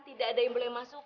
tidak ada yang boleh masuk